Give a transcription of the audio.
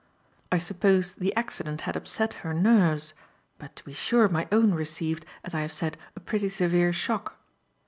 I supposed the accident had upset her nerves; but to be sure, my own received, as I have said, a pretty severe shock.